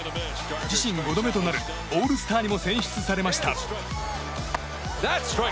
自身５度目となるオールスターにも選出されました。